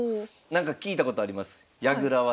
なんか聞いたことあります。